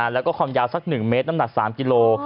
เออแล้วก็คอยาวซักหนึ่งเมตรน้ำหนัก๓กิโล